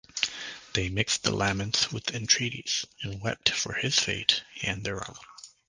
They mixed the laments with entreaties and wept for his fate and their own.